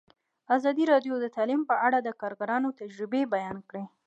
ازادي راډیو د تعلیم په اړه د کارګرانو تجربې بیان کړي.